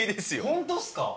ホントっすか？